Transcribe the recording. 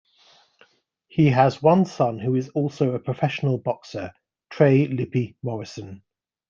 He has one son who is also a professional boxer, Trey Lippe Morrison.